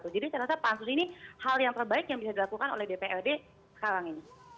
jadi saya rasa pansus ini hal yang terbaik yang bisa dilakukan oleh dprd sekarang ini